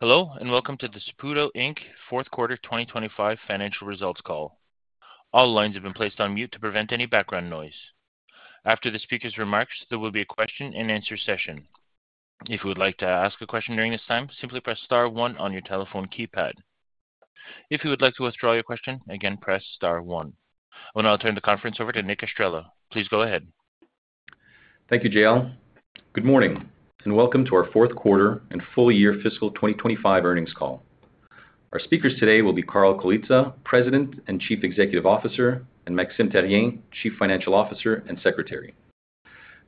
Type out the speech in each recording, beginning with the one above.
Hello, and welcome to the Saputo Fourth Quarter 2025 Financial Results Call. All lines have been placed on mute to prevent any background noise. After the speaker's remarks, there will be a question-and-answer session. If you would like to ask a question during this time, simply press Star 1 on your telephone keypad. If you would like to withdraw your question, again press Star 1. I will now turn the conference over to Nick Estrela. Please go ahead. Thank you, JL. Good morning, and welcome to our Fourth Quarter and Full Year Fiscal 2025 Earnings Call. Our speakers today will be Carl Colizza, President and Chief Executive Officer, and Maxime Therrien, Chief Financial Officer and Secretary.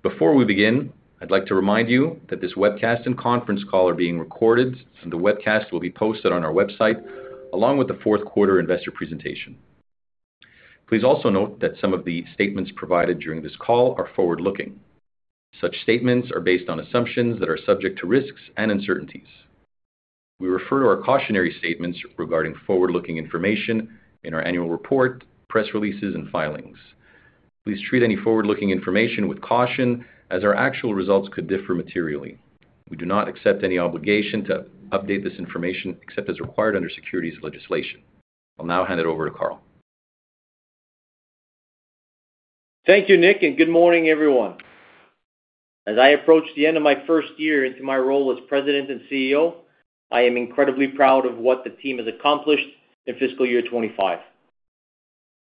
Before we begin, I'd like to remind you that this webcast and conference call are being recorded, and the webcast will be posted on our website along with the Fourth Quarter Investor Presentation. Please also note that some of the statements provided during this call are forward-looking. Such statements are based on assumptions that are subject to risks and uncertainties. We refer to our cautionary statements regarding forward-looking information in our annual report, press releases, and filings. Please treat any forward-looking information with caution, as our actual results could differ materially. We do not accept any obligation to update this information except as required under securities legislation. I'll now hand it over to Carl. Thank you, Nick, and good morning, everyone. As I approach the end of my first year into my role as President and CEO, I am incredibly proud of what the team has accomplished in Fiscal Year 2025.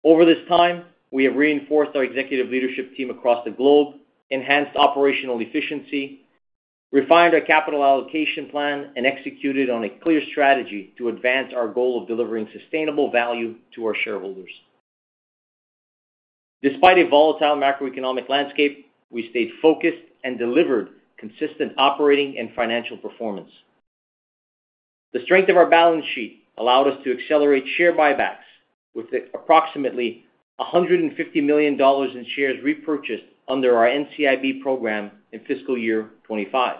Over this time, we have reinforced our executive leadership team across the globe, enhanced operational efficiency, refined our capital allocation plan, and executed on a clear strategy to advance our goal of delivering sustainable value to our shareholders. Despite a volatile macroeconomic landscape, we stayed focused and delivered consistent operating and financial performance. The strength of our balance sheet allowed us to accelerate share buybacks with approximately $150 million in shares repurchased under our NCIB program in Fiscal Year 2025.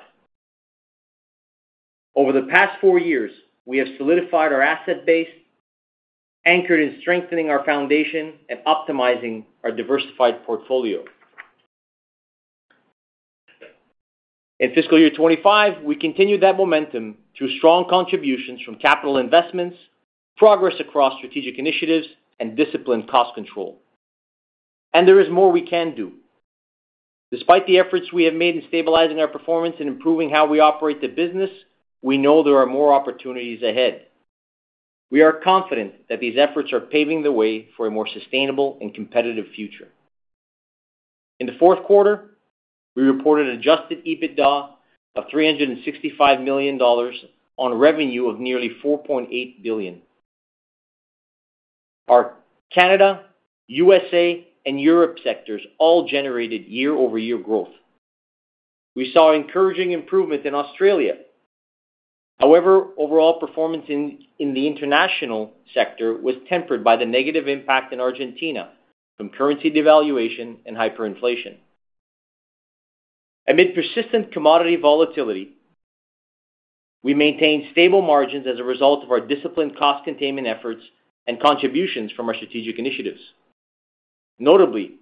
Over the past four years, we have solidified our asset base, anchored in strengthening our foundation, and optimizing our diversified portfolio. In Fiscal Year 2025, we continue that momentum through strong contributions from capital investments, progress across strategic initiatives, and disciplined cost control. There is more we can do. Despite the efforts we have made in stabilizing our performance and improving how we operate the business, we know there are more opportunities ahead. We are confident that these efforts are paving the way for a more sustainable and competitive future. In the fourth quarter, we reported an adjusted EBITDA of $365 million on a revenue of nearly $4.8 billion. Our Canada, USA., and Europe sectors all generated year-over-year growth. We saw encouraging improvement in Australia. However, overall performance in the international sector was tempered by the negative impact in Argentina from currency devaluation and hyperinflation. Amid persistent commodity volatility, we maintained stable margins as a result of our disciplined cost containment efforts and contributions from our strategic initiatives. Notably,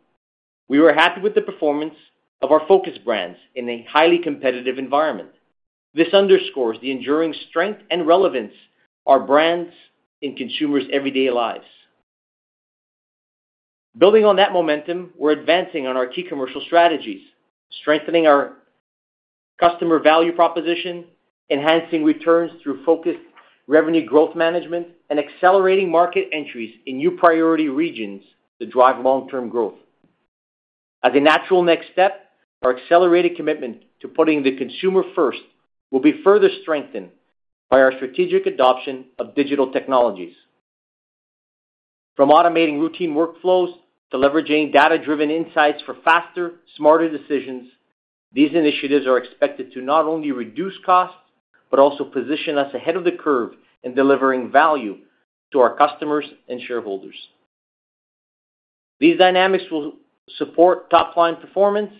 we were happy with the performance of our focus brands in a highly competitive environment. This underscores the enduring strength and relevance of our brands in consumers' everyday lives. Building on that momentum, we're advancing on our key commercial strategies, strengthening our customer value proposition, enhancing returns through focused revenue growth management, and accelerating market entries in new priority regions to drive long-term growth. As a natural next step, our accelerated commitment to putting the consumer first will be further strengthened by our strategic adoption of digital technologies. From automating routine workflows to leveraging data-driven insights for faster, smarter decisions, these initiatives are expected to not only reduce costs but also position us ahead of the curve in delivering value to our customers and shareholders. These dynamics will support top-line performance,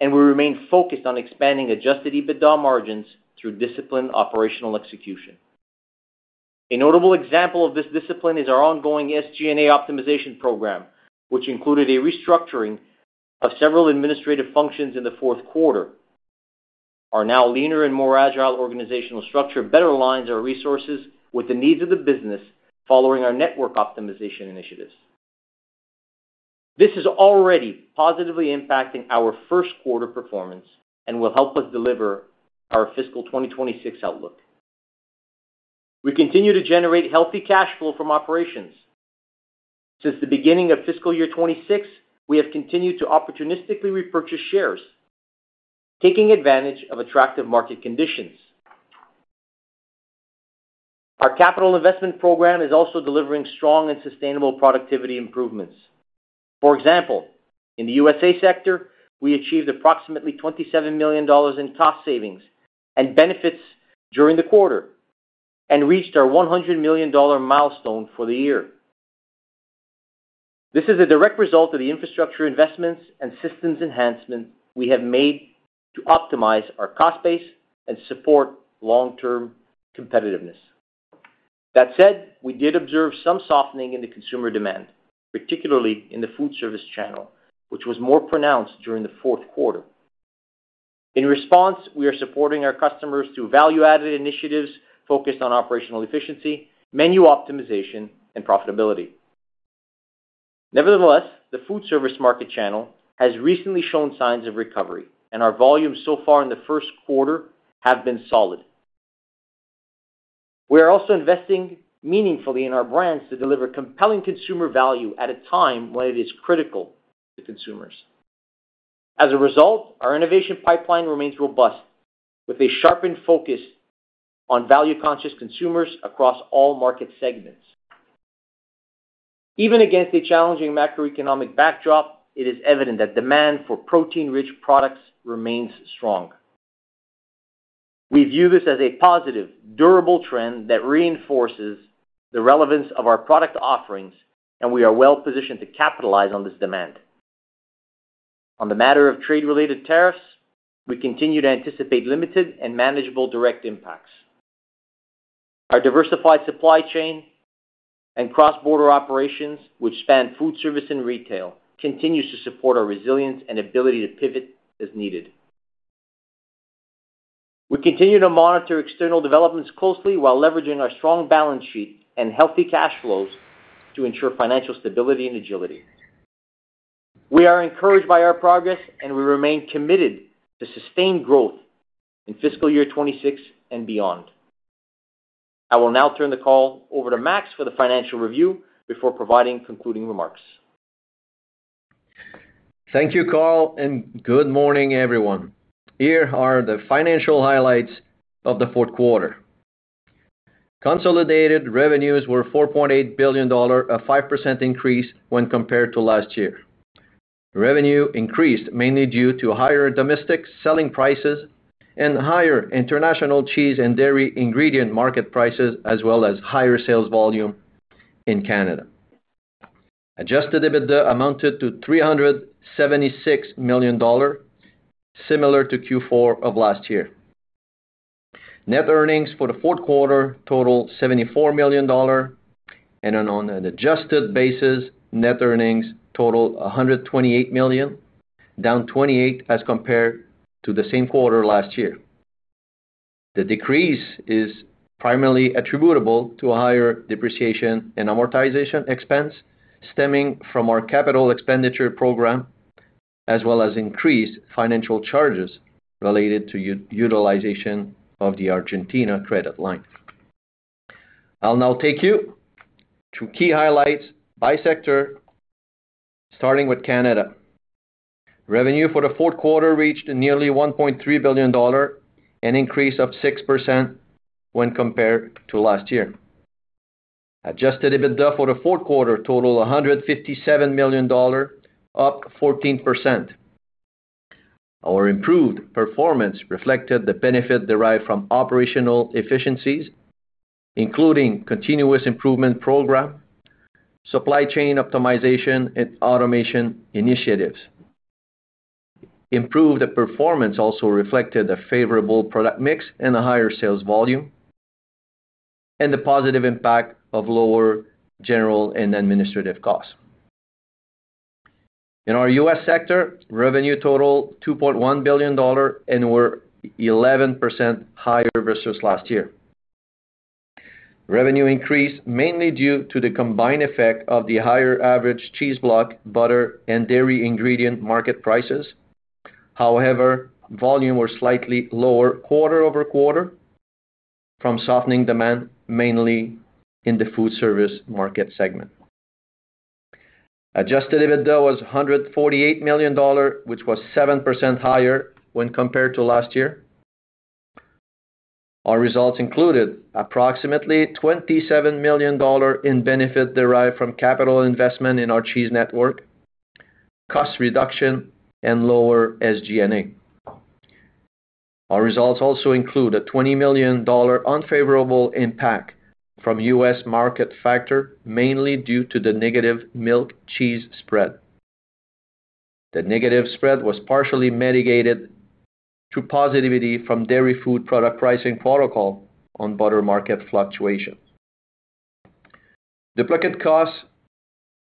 and we remain focused on expanding adjusted EBITDA margins through disciplined operational execution. A notable example of this discipline is our ongoing SG&A optimization program, which included a restructuring of several administrative functions in the fourth quarter. Our now leaner and more agile organizational structure better aligns our resources with the needs of the business following our network optimization initiatives. This is already positively impacting our first quarter performance and will help us deliver our Fiscal 2026 outlook. We continue to generate healthy cash flow from operations. Since the beginning of Fiscal Year 2026, we have continued to opportunistically repurchase shares, taking advantage of attractive market conditions. Our capital investment program is also delivering strong and sustainable productivity improvements. For example, in the USA. sector, we achieved approximately $27 million in cost savings and benefits during the quarter and reached our $100 million milestone for the year. This is a direct result of the infrastructure investments and systems enhancement we have made to optimize our cost base and support long-term competitiveness. That said, we did observe some softening in the consumer demand, particularly in the food service channel, which was more pronounced during the fourth quarter. In response, we are supporting our customers through value-added initiatives focused on operational efficiency, menu optimization, and profitability. Nevertheless, the food service market channel has recently shown signs of recovery, and our volumes so far in the first quarter have been solid. We are also investing meaningfully in our brands to deliver compelling consumer value at a time when it is critical to consumers. As a result, our innovation pipeline remains robust, with a sharpened focus on value-conscious consumers across all market segments. Even against a challenging macroeconomic backdrop, it is evident that demand for protein-rich products remains strong. We view this as a positive, durable trend that reinforces the relevance of our product offerings, and we are well-positioned to capitalize on this demand. On the matter of trade-related tariffs, we continue to anticipate limited and manageable direct impacts. Our diversified supply chain and cross-border operations, which span food service and retail, continue to support our resilience and ability to pivot as needed. We continue to monitor external developments closely while leveraging our strong balance sheet and healthy cash flows to ensure financial stability and agility. We are encouraged by our progress, and we remain committed to sustained growth in Fiscal Year 2026 and beyond. I will now turn the call over to Max for the financial review before providing concluding remarks. Thank you, Carl, and good morning, everyone. Here are the financial highlights of the fourth quarter. Consolidated revenues were $4.8 billion, a 5% increase when compared to last year. Revenue increased mainly due to higher domestic selling prices and higher international cheese and dairy ingredient market prices, as well as higher sales volume in Canada. Adjusted EBITDA amounted to $376 million, similar to Q4 of last year. Net earnings for the fourth quarter totaled $74 million, and on an adjusted basis, net earnings totaled $128 million, down 28% as compared to the same quarter last year. The decrease is primarily attributable to a higher depreciation and amortization expense stemming from our capital expenditure program, as well as increased financial charges related to utilization of the Argentina credit line. I'll now take you through key highlights by sector, starting with Canada. Revenue for the fourth quarter reached nearly $1.3 billion, an increase of 6% when compared to last year. Adjusted EBITDA for the fourth quarter totaled $157 million, up 14%. Our improved performance reflected the benefit derived from operational efficiencies, including continuous improvement program, supply chain optimization, and automation initiatives. Improved performance also reflected a favorable product mix and a higher sales volume, and the positive impact of lower general and administrative costs. In our U.S. sector, revenue totaled $2.1 billion, an over 11% higher versus last year. Revenue increased mainly due to the combined effect of the higher average cheese block, butter, and dairy ingredient market prices. However, volume was slightly lower quarter over quarter from softening demand mainly in the food service market segment. Adjusted EBITDA was $148 million, which was 7% higher when compared to last year. Our results included approximately $27 million in benefit derived from capital investment in our cheese network, cost reduction, and lower SG&A. Our results also include a $20 million unfavorable impact from U.S. market factor, mainly due to the negative milk cheese spread. The negative spread was partially mitigated through positivity from dairy food product pricing protocol on butter market fluctuations. Duplicate costs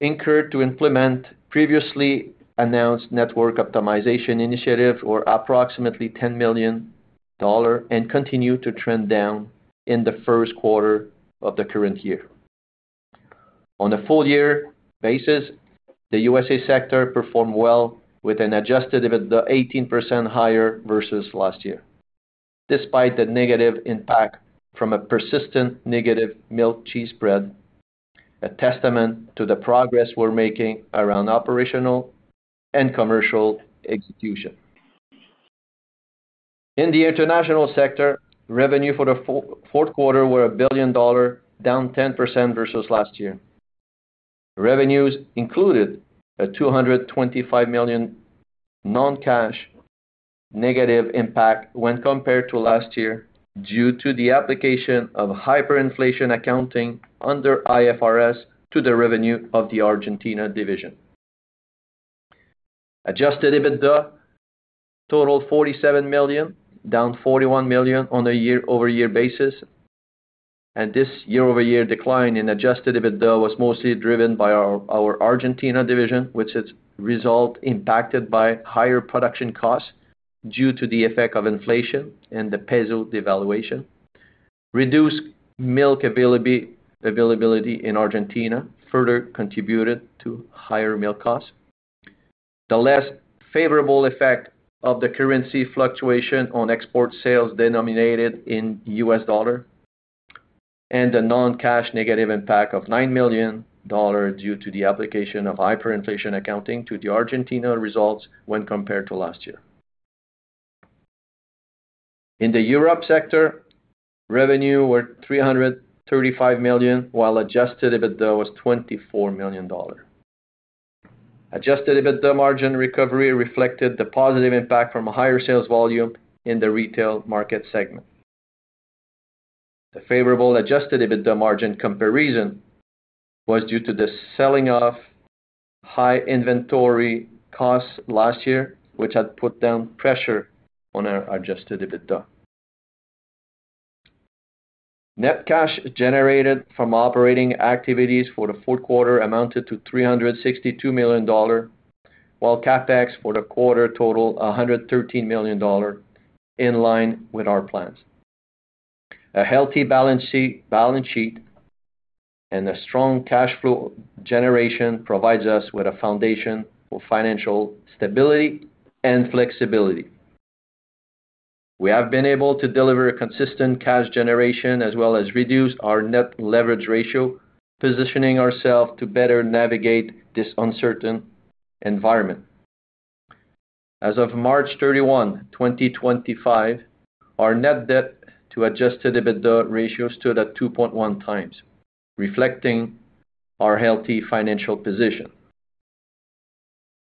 incurred to implement previously announced network optimization initiatives were approximately $10 million and continued to trend down in the first quarter of the current year. On a full-year basis, the U.S.A. sector performed well with an adjusted EBITDA 18% higher versus last year. Despite the negative impact from a persistent negative milk cheese spread, a testament to the progress we're making around operational and commercial execution. In the international sector, revenue for the fourth quarter was $1 billion, down 10% versus last year. Revenues included a $225 million non-cash negative impact when compared to last year due to the application of hyperinflation accounting under IFRS to the revenue of the Argentina division. Adjusted EBITDA totaled $47 million, down $41 million on a year-over-year basis. This year-over-year decline in adjusted EBITDA was mostly driven by our Argentina division, which has resulted in impacted by higher production costs due to the effect of inflation and the peso devaluation. Reduced milk availability in Argentina further contributed to higher milk costs. The less favorable effect of the currency fluctuation on export sales denominated in U.S. dollar and the non-cash negative impact of $9 million due to the application of hyperinflation accounting to the Argentina results when compared to last year. In the Europe sector, revenue was $335 million, while adjusted EBITDA was $24 million. Adjusted EBITDA margin recovery reflected the positive impact from a higher sales volume in the retail market segment. The favorable adjusted EBITDA margin comparison was due to the selling of high inventory costs last year, which had put down pressure on our adjusted EBITDA. Net cash generated from operating activities for the fourth quarter amounted to $362 million, while CapEx for the quarter totaled $113 million, in line with our plans. A healthy balance sheet and a strong cash flow generation provide us with a foundation for financial stability and flexibility. We have been able to deliver a consistent cash generation as well as reduce our net leverage ratio, positioning ourselves to better navigate this uncertain environment. As of March 31, 2025, our net debt to adjusted EBITDA ratio stood at 2.1 times, reflecting our healthy financial position.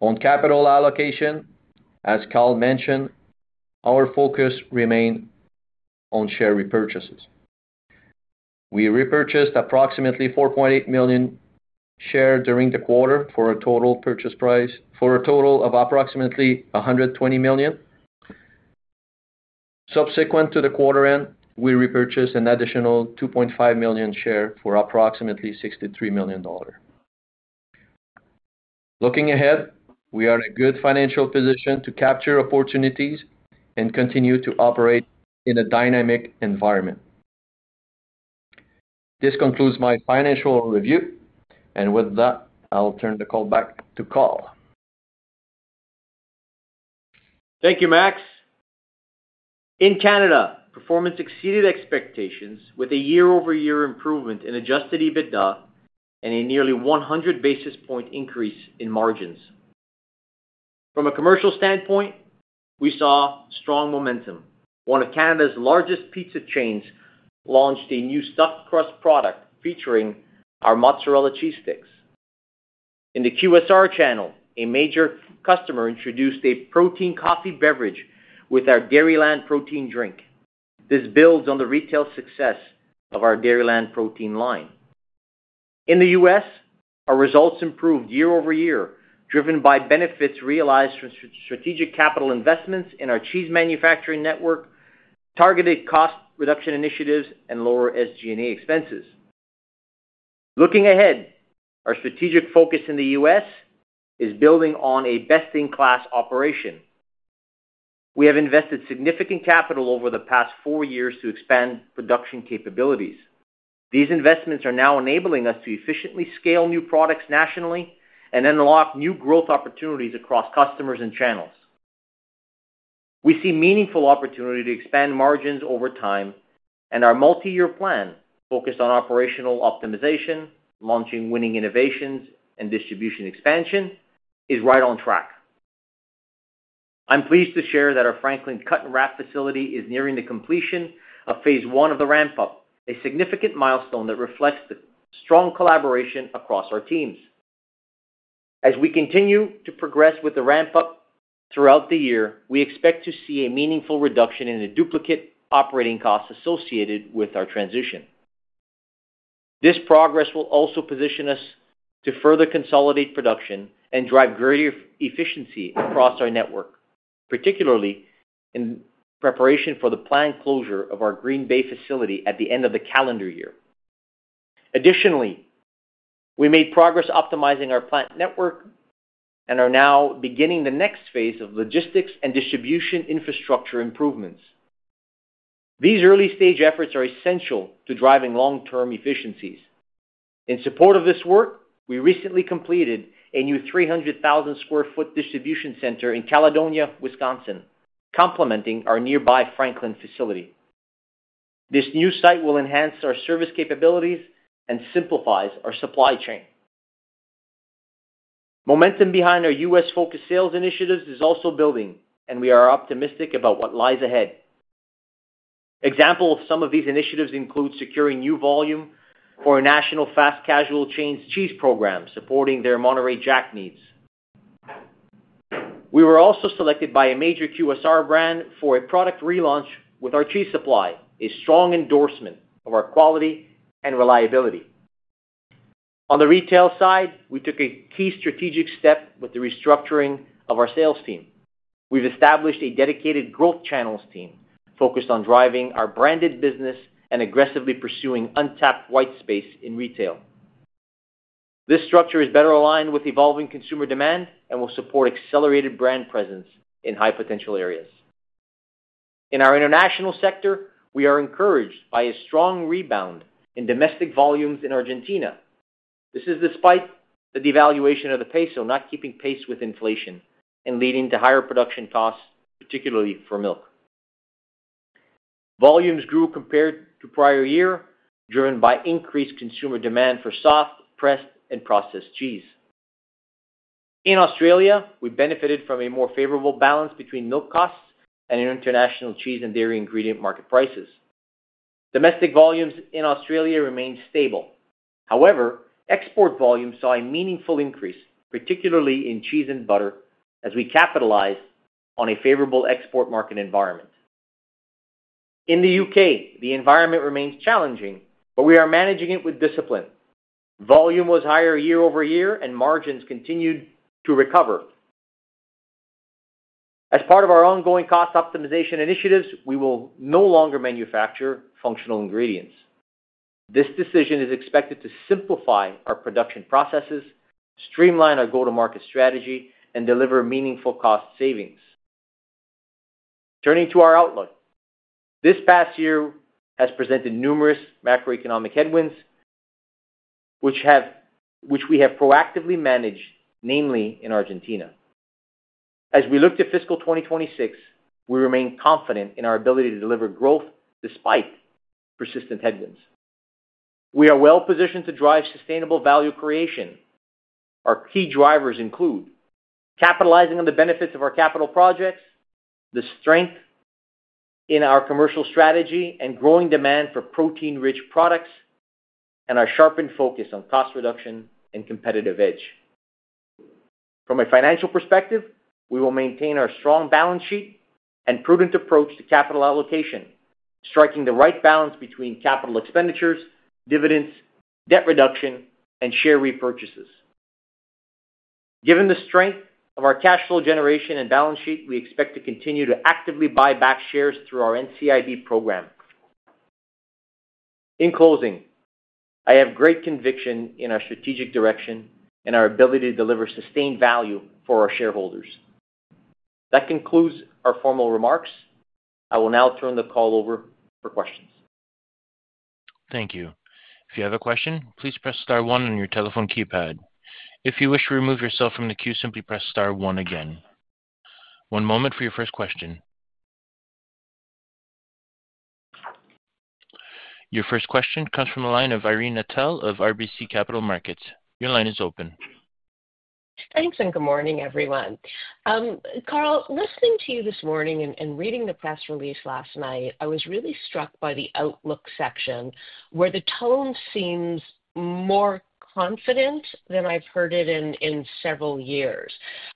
On capital allocation, as Carl mentioned, our focus remained on share repurchases. We repurchased approximately 4.8 million shares during the quarter for a total purchase price of approximately $120 million. Subsequent to the quarter end, we repurchased an additional 2.5 million shares for approximately $63 million. Looking ahead, we are in a good financial position to capture opportunities and continue to operate in a dynamic environment. This concludes my financial review, and with that, I'll turn the call back to Carl. Thank you, Max. In Canada, performance exceeded expectations with a year-over-year improvement in adjusted EBITDA and a nearly 100 basis point increase in margins. From a commercial standpoint, we saw strong momentum. One of Canada's largest pizza chains launched a new stuffed crust product featuring our mozzarella cheese sticks. In the QSR channel, a major customer introduced a protein coffee beverage with our Dairyland protein drink. This builds on the retail success of our Dairyland protein line. In the U.S., our results improved year-over-year, driven by benefits realized from strategic capital investments in our cheese manufacturing network, targeted cost reduction initiatives, and lower SG&A expenses. Looking ahead, our strategic focus in the U.S. is building on a best-in-class operation. We have invested significant capital over the past four years to expand production capabilities. These investments are now enabling us to efficiently scale new products nationally and unlock new growth opportunities across customers and channels. We see meaningful opportunity to expand margins over time, and our multi-year plan focused on operational optimization, launching winning innovations and distribution expansion, is right on track. I'm pleased to share that our Franklin Cut and Wrap facility is nearing the completion of phase one of the ramp-up, a significant milestone that reflects the strong collaboration across our teams. As we continue to progress with the ramp-up throughout the year, we expect to see a meaningful reduction in the duplicate operating costs associated with our transition. This progress will also position us to further consolidate production and drive greater efficiency across our network, particularly in preparation for the planned closure of our Green Bay facility at the end of the calendar year. Additionally, we made progress optimizing our plant network and are now beginning the next phase of logistics and distribution infrastructure improvements. These early-stage efforts are essential to driving long-term efficiencies. In support of this work, we recently completed a new 300,000 sq ft distribution center in Caledonia, Wisconsin, complementing our nearby Franklin facility. This new site will enhance our service capabilities and simplify our supply chain. Momentum behind our U.S.-focused sales initiatives is also building, and we are optimistic about what lies ahead. Examples of some of these initiatives include securing new volume for a national fast casual chain's cheese program supporting their Monterey Jack needs. We were also selected by a major QSR brand for a product relaunch with our cheese supply, a strong endorsement of our quality and reliability. On the retail side, we took a key strategic step with the restructuring of our sales team. We've established a dedicated growth channels team focused on driving our branded business and aggressively pursuing untapped white space in retail. This structure is better aligned with evolving consumer demand and will support accelerated brand presence in high potential areas. In our international sector, we are encouraged by a strong rebound in domestic volumes in Argentina. This is despite the devaluation of the peso not keeping pace with inflation and leading to higher production costs, particularly for milk. Volumes grew compared to prior year, driven by increased consumer demand for soft, pressed, and processed cheese. In Australia, we benefited from a more favorable balance between milk costs and international cheese and dairy ingredient market prices. Domestic volumes in Australia remained stable. However, export volumes saw a meaningful increase, particularly in cheese and butter, as we capitalized on a favorable export market environment. In the U.K., the environment remains challenging, but we are managing it with discipline. Volume was higher year-over-year, and margins continued to recover. As part of our ongoing cost optimization initiatives, we will no longer manufacture functional ingredients. This decision is expected to simplify our production processes, streamline our go-to-market strategy, and deliver meaningful cost savings. Turning to our outlook, this past year has presented numerous macroeconomic headwinds, which we have proactively managed, namely in Argentina. As we look to fiscal 2026, we remain confident in our ability to deliver growth despite persistent headwinds. We are well positioned to drive sustainable value creation. Our key drivers include capitalizing on the benefits of our capital projects, the strength in our commercial strategy, and growing demand for protein-rich products, and our sharpened focus on cost reduction and competitive edge. From a financial perspective, we will maintain our strong balance sheet and prudent approach to capital allocation, striking the right balance between capital expenditures, dividends, debt reduction, and share repurchases. Given the strength of our cash flow generation and balance sheet, we expect to continue to actively buy back shares through our NCIB program. In closing, I have great conviction in our strategic direction and our ability to deliver sustained value for our shareholders. That concludes our formal remarks. I will now turn the call over for questions. Thank you. If you have a question, please press star one on your telephone keypad. If you wish to remove yourself from the queue, simply press star one again. One moment for your first question. Your first question comes from the line of Irene Nattel of RBC Capital Markets. Your line is open. Thanks, and good morning, everyone. Carl, listening to you this morning and reading the press release last night, I was really struck by the outlook section where the tone seems more confident than I've heard it in several years.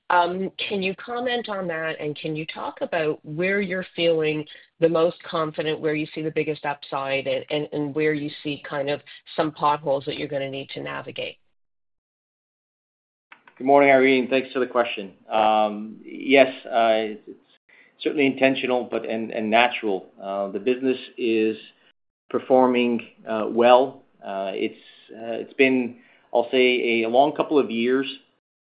Can you comment on that, and can you talk about where you're feeling the most confident, where you see the biggest upside, and where you see kind of some potholes that you're going to need to navigate? Good morning, Irene. Thanks for the question. Yes, it's certainly intentional and natural. The business is performing well. It's been, I'll say, a long couple of years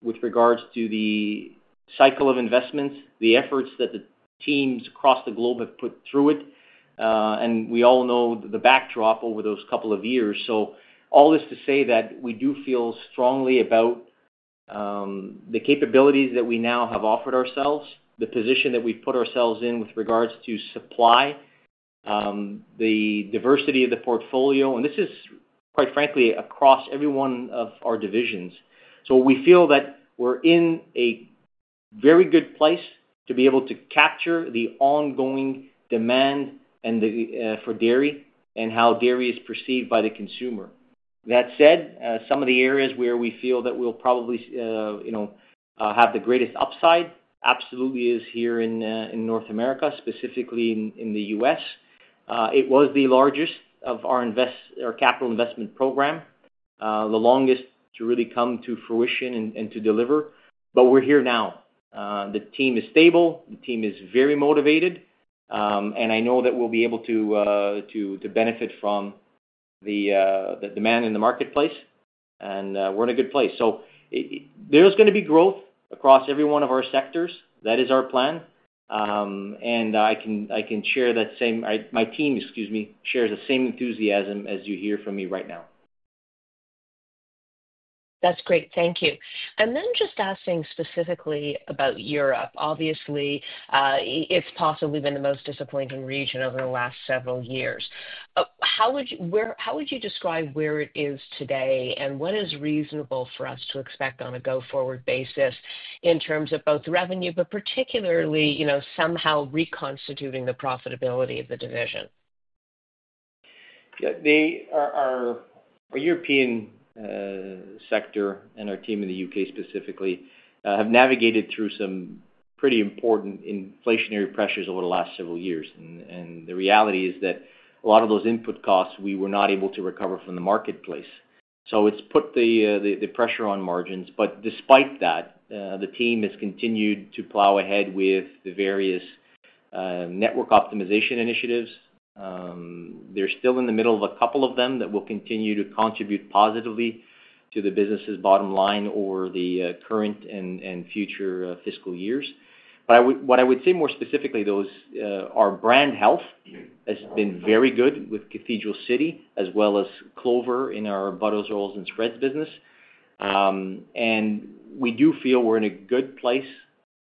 with regards to the cycle of investments, the efforts that the teams across the globe have put through it, and we all know the backdrop over those couple of years. All this to say that we do feel strongly about the capabilities that we now have offered ourselves, the position that we've put ourselves in with regards to supply, the diversity of the portfolio, and this is, quite frankly, across every one of our divisions. We feel that we're in a very good place to be able to capture the ongoing demand for dairy and how dairy is perceived by the consumer. That said, some of the areas where we feel that we'll probably have the greatest upside absolutely is here in North America, specifically in the U.S. It was the largest of our capital investment program, the longest to really come to fruition and to deliver, but we're here now. The team is stable. The team is very motivated, and I know that we'll be able to benefit from the demand in the marketplace, and we're in a good place. There is going to be growth across every one of our sectors. That is our plan, and I can share that my team, excuse me, shares the same enthusiasm as you hear from me right now. That's great. Thank you. Just asking specifically about Europe. Obviously, it's possibly been the most disappointing region over the last several years. How would you describe where it is today, and what is reasonable for us to expect on a go-forward basis in terms of both revenue, but particularly somehow reconstituting the profitability of the division? Yeah. Our European sector and our team in the U.K. specifically have navigated through some pretty important inflationary pressures over the last several years, and the reality is that a lot of those input costs we were not able to recover from the marketplace. It has put the pressure on margins, but despite that, the team has continued to plow ahead with the various network optimization initiatives. They are still in the middle of a couple of them that will continue to contribute positively to the business's bottom line over the current and future fiscal years. What I would say more specifically, though, is our brand health has been very good with Cathedral City, as well as Clover in our butters, oils, and spreads business. We do feel we're in a good place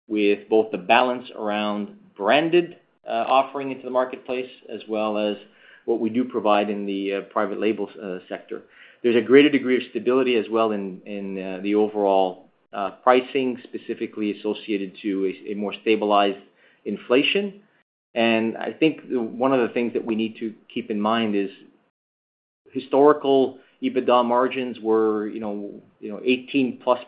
with both the balance around branded offering into the marketplace, as well as what we do provide in the private label sector. There's a greater degree of stability as well in the overall pricing, specifically associated to a more stabilized inflation. I think one of the things that we need to keep in mind is historical EBITDA margins were 18% plus.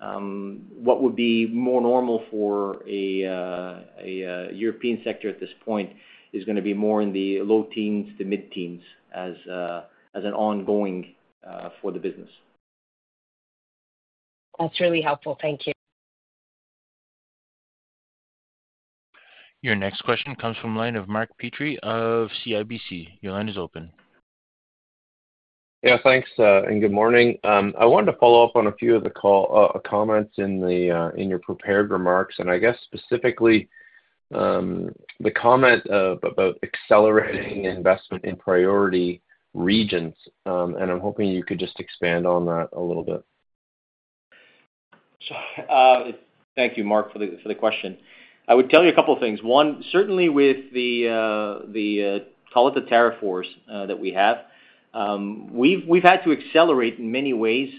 What would be more normal for a European sector at this point is going to be more in the low teens to mid-teens as an ongoing for the business. That's really helpful. Thank you. Your next question comes from the line of Mark Petrie of CIBC. Your line is open. Yeah, thanks, and good morning. I wanted to follow up on a few of the comments in your prepared remarks, and I guess specifically the comment about accelerating investment in priority regions. I'm hoping you could just expand on that a little bit. Thank you, Mark, for the question. I would tell you a couple of things. One, certainly with the, call it, the tariff wars that we have, we've had to accelerate in many ways,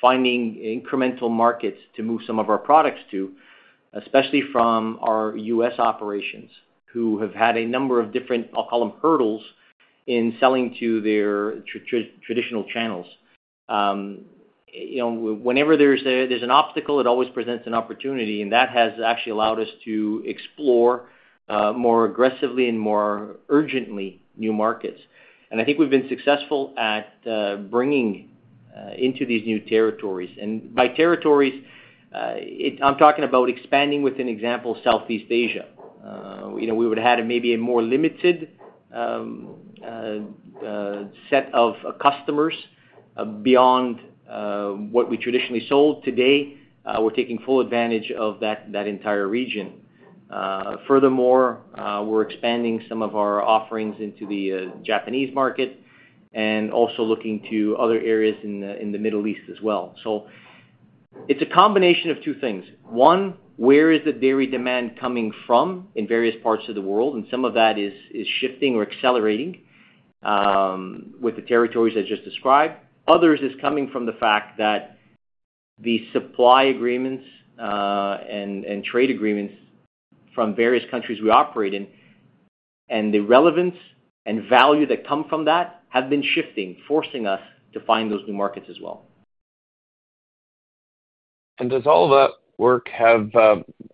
finding incremental markets to move some of our products to, especially from our US operations who have had a number of different, I'll call them, hurdles in selling to their traditional channels. Whenever there's an obstacle, it always presents an opportunity, and that has actually allowed us to explore more aggressively and more urgently new markets. I think we've been successful at bringing into these new territories. By territories, I'm talking about expanding with, for example, Southeast Asia. We would have had maybe a more limited set of customers beyond what we traditionally sold. Today, we're taking full advantage of that entire region. Furthermore, we're expanding some of our offerings into the Japanese market and also looking to other areas in the Middle East as well. It is a combination of two things. One, where is the dairy demand coming from in various parts of the world? Some of that is shifting or accelerating with the territories I just described. Others, it is coming from the fact that the supply agreements and trade agreements from various countries we operate in and the relevance and value that come from that have been shifting, forcing us to find those new markets as well. Does all of that work have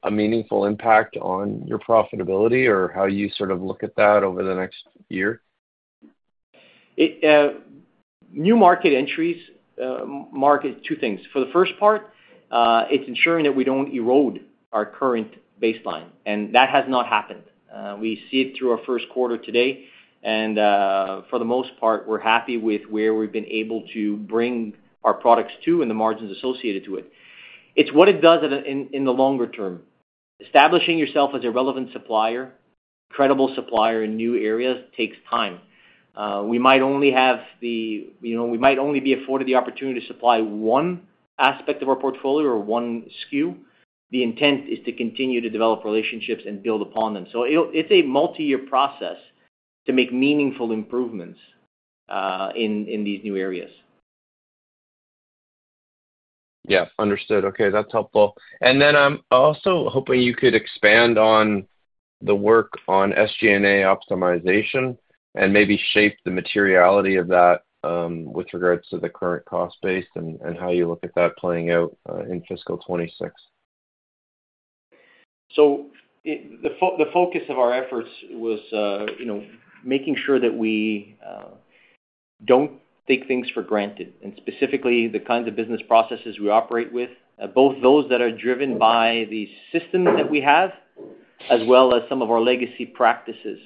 a meaningful impact on your profitability or how you sort of look at that over the next year? New market entries mark two things. For the first part, it's ensuring that we don't erode our current baseline, and that has not happened. We see it through our first quarter today, and for the most part, we're happy with where we've been able to bring our products to and the margins associated to it. It's what it does in the longer term. Establishing yourself as a relevant supplier, credible supplier in new areas takes time. We might only be afforded the opportunity to supply one aspect of our portfolio or one SKU. The intent is to continue to develop relationships and build upon them. It is a multi-year process to make meaningful improvements in these new areas. Yeah, understood. Okay, that's helpful. I am also hoping you could expand on the work on SG&A optimization and maybe shape the materiality of that with regards to the current cost base and how you look at that playing out in fiscal 2026. The focus of our efforts was making sure that we do not take things for granted and specifically the kinds of business processes we operate with, both those that are driven by the systems that we have as well as some of our legacy practices.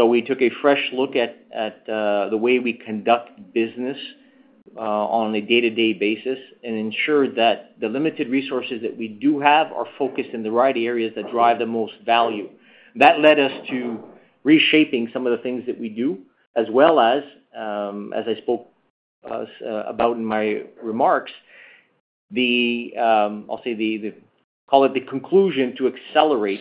We took a fresh look at the way we conduct business on a day-to-day basis and ensured that the limited resources that we do have are focused in the right areas that drive the most value. That led us to reshaping some of the things that we do, as well as, as I spoke about in my remarks, the—I'll say the—call it the conclusion to accelerate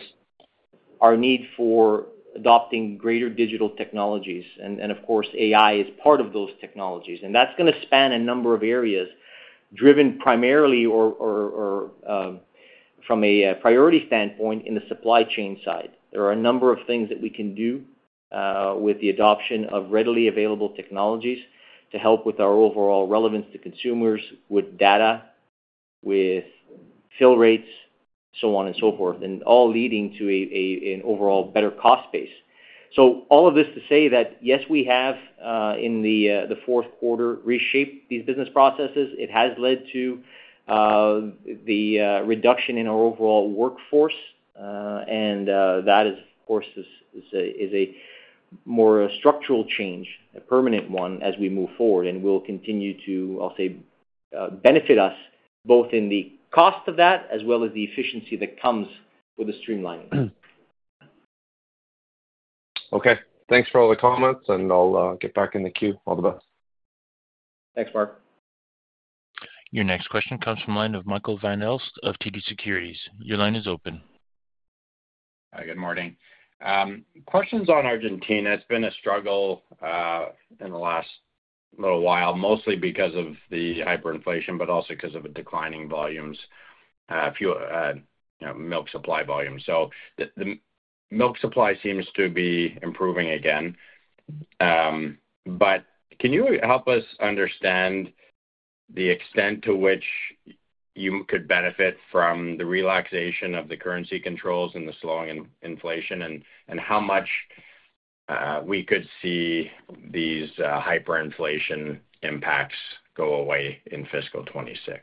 our need for adopting greater digital technologies. Of course, AI is part of those technologies, and that is going to span a number of areas driven primarily or from a priority standpoint in the supply chain side. There are a number of things that we can do with the adoption of readily available technologies to help with our overall relevance to consumers with data, with fill rates, so on and so forth, all leading to an overall better cost base. All of this to say that, yes, we have in the fourth quarter reshaped these business processes. It has led to the reduction in our overall workforce, and that is, of course, a more structural change, a permanent one as we move forward, and will continue to, I'll say, benefit us both in the cost of that as well as the efficiency that comes with the streamlining. Okay. Thanks for all the comments, and I'll get back in the queue. All the best. Thanks, Mark. Your next question comes from the line of Michael Van Aelst of TD Securities. Your line is open. Hi, good morning. Questions on Argentina. It's been a struggle in the last little while, mostly because of the hyperinflation, but also because of the declining volumes, milk supply volumes. The milk supply seems to be improving again. Can you help us understand the extent to which you could benefit from the relaxation of the currency controls and the slowing in inflation, and how much we could see these hyperinflation impacts go away in fiscal 2026?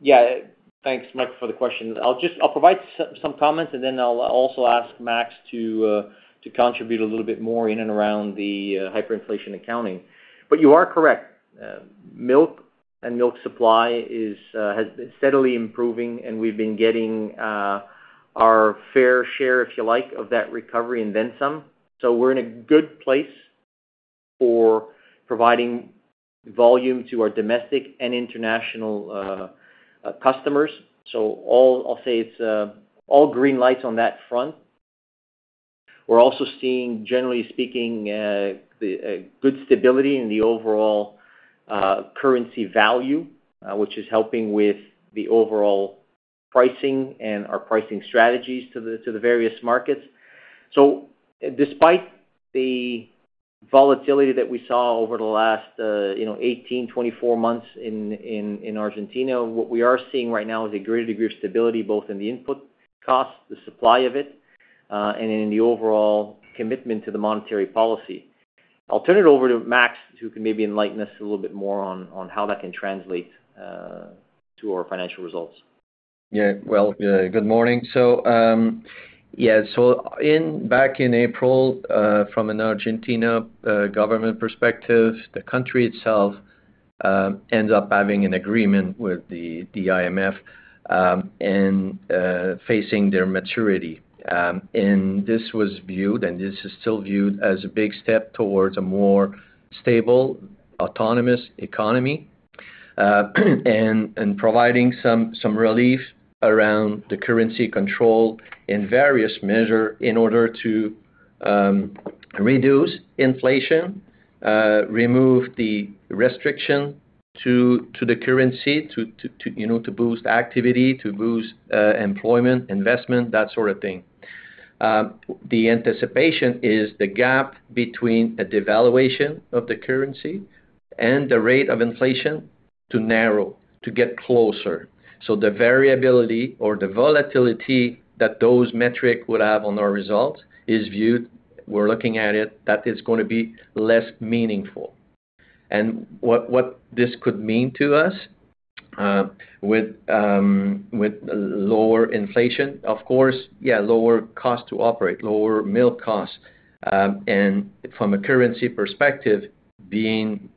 Yeah. Thanks, Mark, for the question. I'll provide some comments, and then I'll also ask Max to contribute a little bit more in and around the hyperinflation accounting. You are correct. Milk and milk supply has been steadily improving, and we've been getting our fair share, if you like, of that recovery and then some. We're in a good place for providing volume to our domestic and international customers. I'll say it's all green lights on that front. We're also seeing, generally speaking, good stability in the overall currency value, which is helping with the overall pricing and our pricing strategies to the various markets. Despite the volatility that we saw over the last 18 to 24 months in Argentina, what we are seeing right now is a greater degree of stability both in the input cost, the supply of it, and in the overall commitment to the monetary policy. I'll turn it over to Max, who can maybe enlighten us a little bit more on how that can translate to our financial results. Yeah. Good morning. Back in April, from an Argentina government perspective, the country itself ends up having an agreement with the IMF and facing their maturity. This was viewed, and this is still viewed as a big step towards a more stable, autonomous economy and providing some relief around the currency control in various measures in order to reduce inflation, remove the restriction to the currency, to boost activity, to boost employment, investment, that sort of thing. The anticipation is the gap between a devaluation of the currency and the rate of inflation to narrow, to get closer. The variability or the volatility that those metrics would have on our results is viewed—we're looking at it—that it's going to be less meaningful. What this could mean to us with lower inflation, of course, is lower cost to operate, lower milk costs, and from a currency perspective, being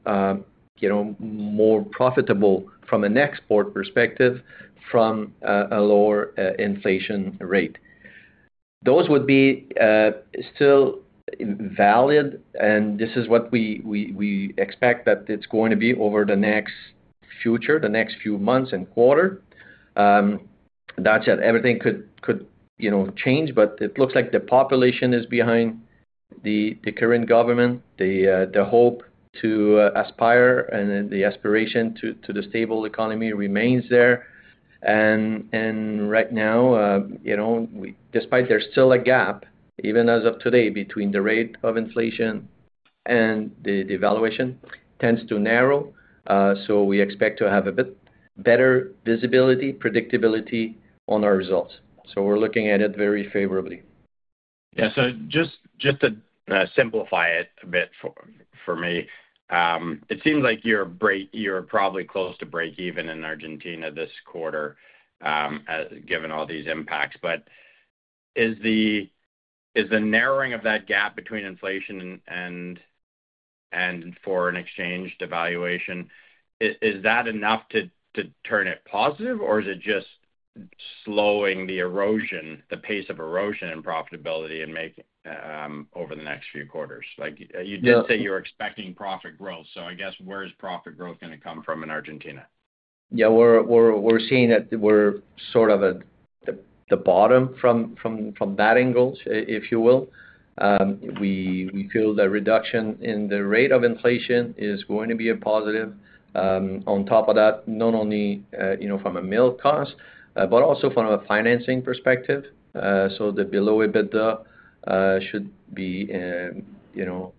more profitable from an export perspective from a lower inflation rate. Those would be still valid, and this is what we expect that it's going to be over the next future, the next few months and quarter. That said, everything could change, but it looks like the population is behind the current government. The hope to aspire and the aspiration to the stable economy remains there. Right now, despite there's still a gap, even as of today, between the rate of inflation and the devaluation tends to narrow. We expect to have a bit better visibility, predictability on our results. We're looking at it very favorably. Yeah. Just to simplify it a bit for me, it seems like you're probably close to break-even in Argentina this quarter, given all these impacts. Is the narrowing of that gap between inflation and foreign exchange devaluation enough to turn it positive, or is it just slowing the erosion, the pace of erosion in profitability over the next few quarters? You did say you were expecting profit growth, so I guess where is profit growth going to come from in Argentina? Yeah. We're seeing that we're sort of at the bottom from that angle, if you will. We feel the reduction in the rate of inflation is going to be a positive. On top of that, not only from a milk cost, but also from a financing perspective. The below EBITDA should be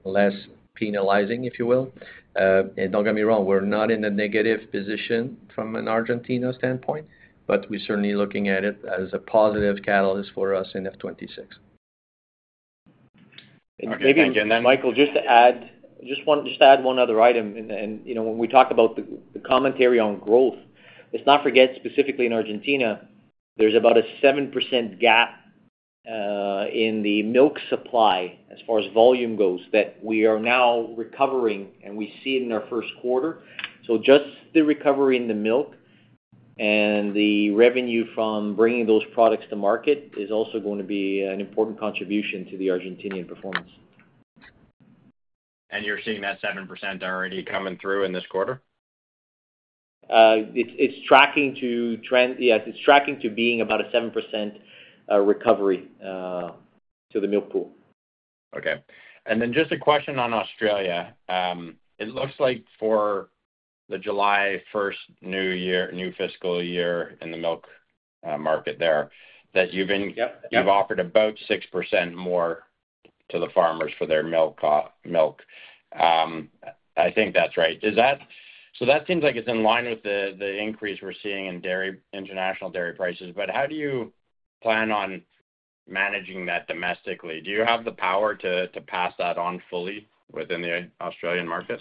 less penalizing, if you will. And don't get me wrong, we're not in a negative position from an Argentina standpoint, but we're certainly looking at it as a positive catalyst for us in F2026. Thank you again. Michael, just to add, just to add one other item. When we talk about the commentary on growth, let's not forget specifically in Argentina, there's about a 7% gap in the milk supply as far as volume goes that we are now recovering, and we see it in our first quarter. Just the recovery in the milk and the revenue from bringing those products to market is also going to be an important contribution to the Argentinian performance. You're seeing that 7% already coming through in this quarter? It's tracking to trend, yes. It's tracking to being about a 7% recovery to the milk pool. Okay. And then just a question on Australia. It looks like for the July 1 new year, new fiscal year in the milk market there, that you've offered about 6% more to the farmers for their milk. I think that's right. That seems like it's in line with the increase we're seeing in international dairy prices. How do you plan on managing that domestically? Do you have the power to pass that on fully within the Australian market?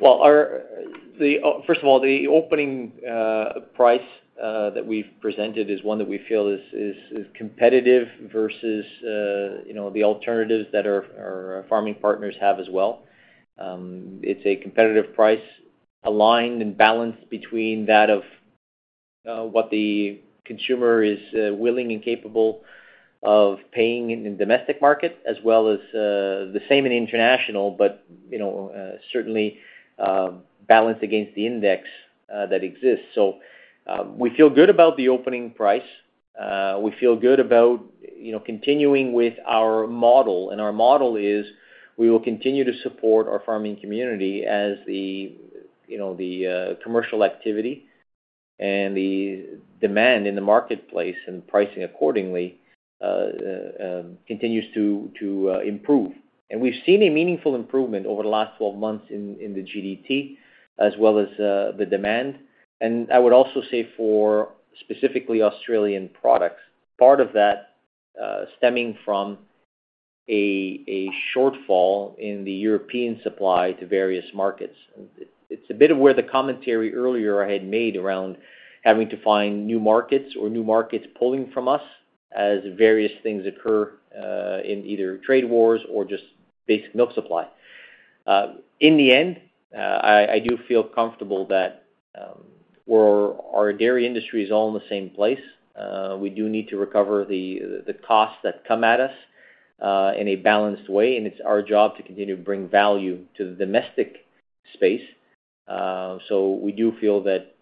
First of all, the opening price that we've presented is one that we feel is competitive versus the alternatives that our farming partners have as well. It's a competitive price aligned and balanced between that of what the consumer is willing and capable of paying in the domestic market, as well as the same in international, but certainly balanced against the index that exists. We feel good about the opening price. We feel good about continuing with our model. Our model is we will continue to support our farming community as the commercial activity and the demand in the marketplace and pricing accordingly continues to improve. We've seen a meaningful improvement over the last 12 months in the GDP as well as the demand. I would also say for specifically Australian products, part of that stemming from a shortfall in the European supply to various markets. It is a bit of where the commentary earlier I had made around having to find new markets or new markets pulling from us as various things occur in either trade wars or just basic milk supply. In the end, I do feel comfortable that our dairy industry is all in the same place. We do need to recover the costs that come at us in a balanced way, and it is our job to continue to bring value to the domestic space. We do feel that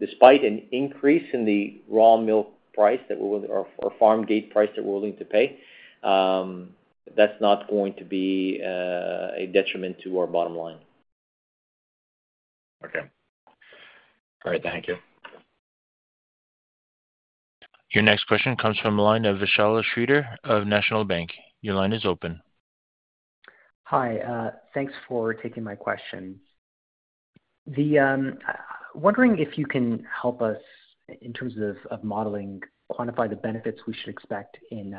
despite an increase in the raw milk price that we are willing or farm gate price that we are willing to pay, that is not going to be a detriment to our bottom line. Okay. All right. Thank you. Your next question comes from the line of Vishal Shreedhar of National Bank. Your line is open. Hi. Thanks for taking my question. Wondering if you can help us in terms of modeling, quantify the benefits we should expect in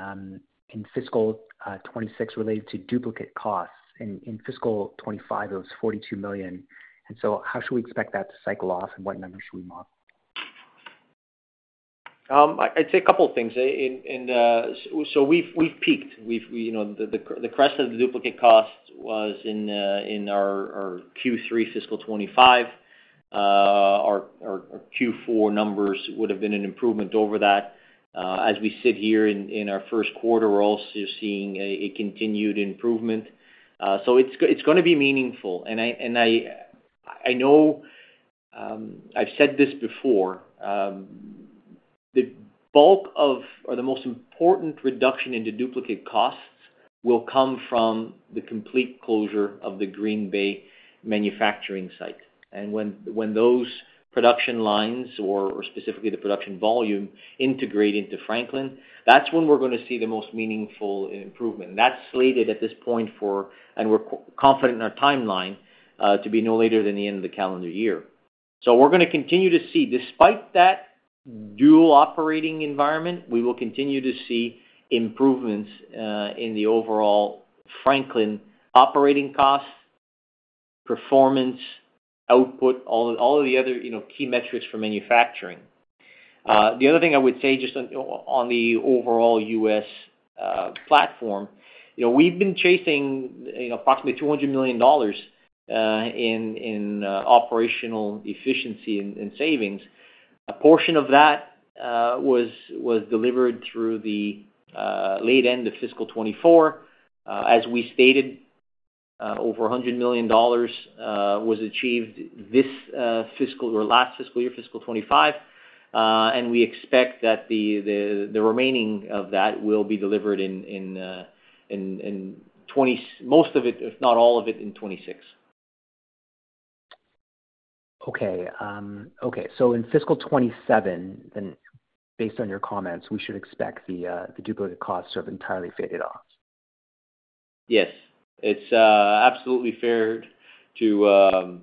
fiscal 2026 related to duplicate costs. In fiscal 2025, it was $42 million. How should we expect that to cycle off, and what numbers should we model? I'd say a couple of things. We've peaked. The crest of the duplicate cost was in our Q3 fiscal 2025. Our Q4 numbers would have been an improvement over that. As we sit here in our first quarter, we're also seeing a continued improvement. It's going to be meaningful. I know I've said this before. The bulk of, or the most important reduction in the duplicate costs will come from the complete closure of the Green Bay manufacturing site. When those production lines, or specifically the production volume, integrate into Franklin, that's when we're going to see the most meaningful improvement. That's slated at this point for, and we're confident in our timeline, to be no later than the end of the calendar year. We're going to continue to see, despite that dual operating environment, we will continue to see improvements in the overall Franklin operating costs, performance, output, all of the other key metrics for manufacturing. The other thing I would say just on the overall US platform, we've been chasing approximately $200 million in operational efficiency and savings. A portion of that was delivered through the late end of fiscal 2024. As we stated, over $100 million was achieved this fiscal or last fiscal year, fiscal 2025. We expect that the remaining of that will be delivered in 2020, most of it, if not all of it, in 2026. Okay. Okay. So in fiscal 2027, then based on your comments, we should expect the duplicate costs to have entirely faded off. Yes. It's absolutely fair to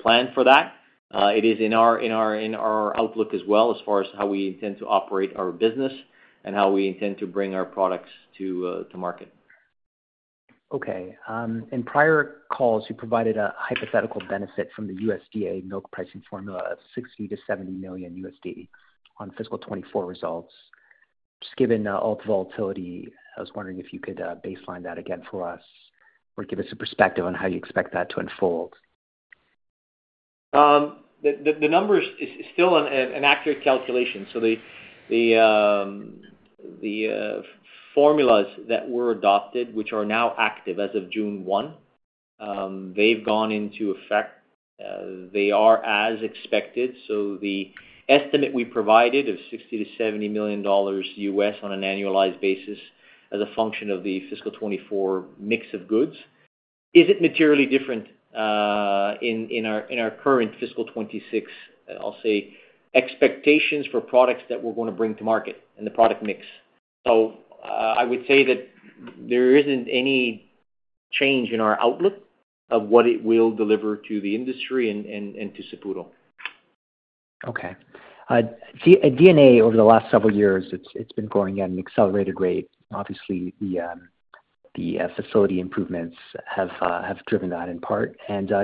plan for that. It is in our outlook as well as far as how we intend to operate our business and how we intend to bring our products to market. Okay. In prior calls, you provided a hypothetical benefit from the USDA milk pricing formula of $60 million-$70 million on fiscal 2024 results. Just given all the volatility, I was wondering if you could baseline that again for us or give us a perspective on how you expect that to unfold. The number is still an accurate calculation. The formulas that were adopted, which are now active as of June 1, they've gone into effect. They are as expected. The estimate we provided of $60 million-$70 million US on an annualized basis as a function of the fiscal 2024 mix of goods isn't materially different in our current fiscal 2026, I'll say, expectations for products that we're going to bring to market and the product mix. I would say that there isn't any change in our outlook of what it will deliver to the industry and to Saputo. Okay. D&A over the last several years, it's been growing at an accelerated rate. Obviously, the facility improvements have driven that in part.